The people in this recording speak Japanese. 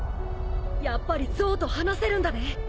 やっぱり象と話せるんだね。